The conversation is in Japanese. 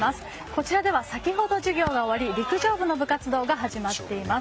こちらでは先ほど授業が終わり陸上部の部活動が始まっています。